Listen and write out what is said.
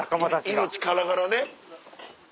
命からがらね。